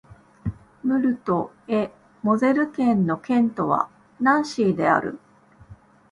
ムルト＝エ＝モゼル県の県都はナンシーである